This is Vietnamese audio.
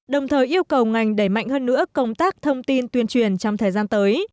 đồng thời yêu cầu ngành đẩy mạnh hơn nữa công tác thông tin tuyên truyền trong thời gian tới